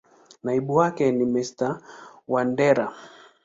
Naibu wake ni Mr.Wandera.